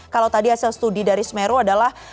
kalau tadi hasil studi dari semeru adalah